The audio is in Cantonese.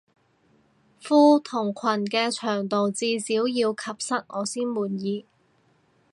褲同裙嘅長度至少要及膝我先滿意